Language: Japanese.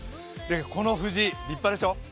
この藤、立派でしょう？